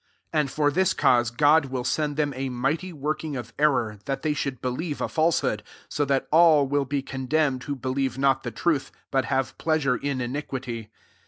, 11 And for this cause God will send them a mighty work ing of error, that they should believe a fiailsehood ; 12 so that all will be condemned who be lieve not the truth, but have pleasure [in] iniquity.